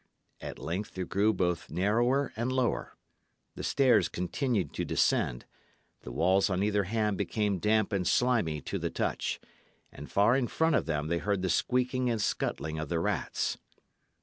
At length it grew both narrower and lower; the stairs continued to descend; the walls on either hand became damp and slimy to the touch; and far in front of them they heard the squeaking and scuttling of the rats.